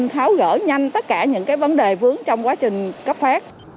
tháo gỡ nhanh tất cả những vấn đề vướng trong quá trình cấp phép